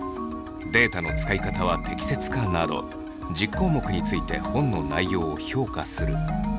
「データの使い方は適切か」など１０項目について本の内容を評価する。